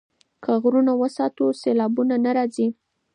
که غرونه وساتو نو سیلابونه نه راځي.